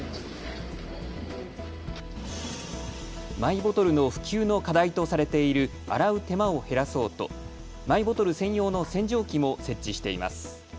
マイボトルの普及の課題とされている洗う手間を減らそうとマイボトル専用の洗浄機も設置しています。